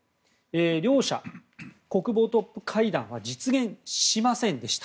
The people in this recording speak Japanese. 両者、国防トップ会談は実現しませんでした。